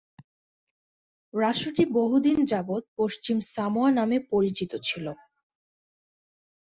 রাষ্ট্রটি বহুদিন যাবৎ পশ্চিম সামোয়া নামে পরিচিত ছিল।